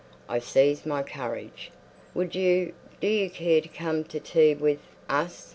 I seized my courage. "Would you—do you care to come to tea with—us?"